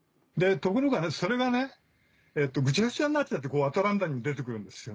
ところがそれがぐちゃぐちゃになっちゃってアトランダムに出て来るんですよ。